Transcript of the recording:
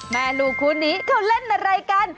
แม่ลูกคู่นี้เขาเล่นอะไรกัน